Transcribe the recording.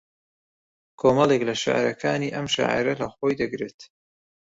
کۆمەڵێک لە شێعرەکانی ئەم شاعێرە لە خۆی دەگرێت